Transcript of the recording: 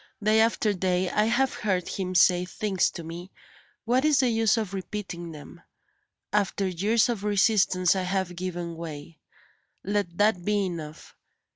Day after day I have heard him say things to me what is the use of repeating them? After years of resistance I have given way; let that be enough.